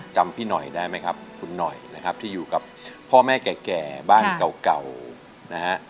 จำพี่หน่อยได้ไหมครับคุณหน่อยนะครับที่อยู่กับพ่อแม่แก่บ้านเก่านะฮะ